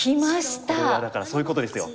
これはだからそういうことですよ。